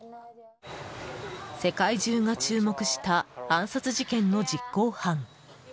世界中が注目した暗殺事件の実行犯。